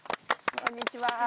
こんにちは。